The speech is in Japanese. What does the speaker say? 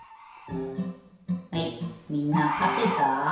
はいみんなかてた？